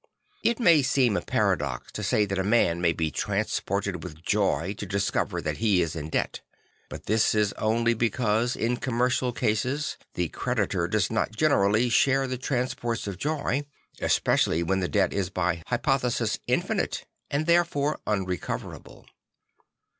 It may seem a paradox to say that a man may be transported with joy to discover that he is in debt. But this is only because in commercial cases the creditor does not generally share the transports of joy; especially when the debt is by hypothesis infinite and therefore unrecoverable.